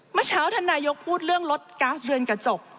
เมื่อเช้าท่านนายกพูดเรื่องรถก๊าซเรือนกระจก